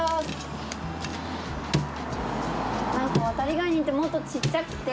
ワタリガニってもっとちっちゃくて。